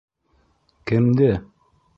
Кемде?